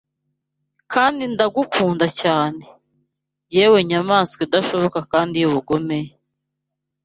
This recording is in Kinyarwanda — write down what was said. Kandi ndakunda cyane, yewe nyamaswa idashoboka kandi y'ubugome!